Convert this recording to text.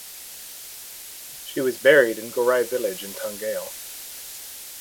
She was buried in Gorai village in Tangail.